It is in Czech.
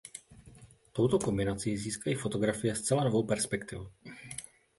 Touto kombinací získají fotografie zcela novou perspektivu.